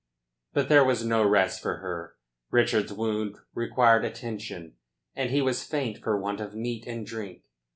But there was no rest for her. Richard's wound required attention, and he was faint for want of meat and drink.